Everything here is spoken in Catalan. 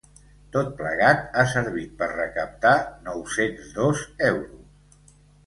Tot plegat ha servit per recaptar nou-cents dos euros.